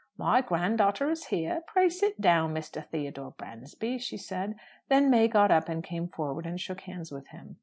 "My grand daughter is here. Pray sit down, Mr. Theodore Bransby," she said. Then May got up, and came forward, and shook hands with him.